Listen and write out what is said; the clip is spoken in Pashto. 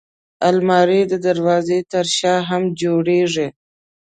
الماري د دروازې تر شا هم جوړېږي